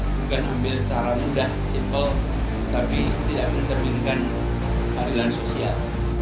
bukan ambil cara mudah simpel tapi tidak mencerminkan keadilan sosial